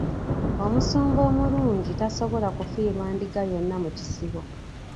Omusumba omulungi tasobola kufiirwa ndiga yonna mu kisibo.